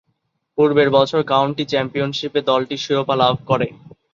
পূর্বের বছর কাউন্টি চ্যাম্পিয়নশীপে দলটি শিরোপা লাভ করে।